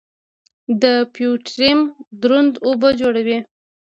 د فیوټیریم دروند اوبه جوړوي.